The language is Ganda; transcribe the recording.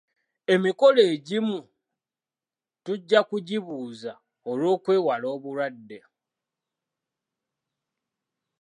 Emikolo egimu tujja kugibuuza olw'okwewala obulwadde.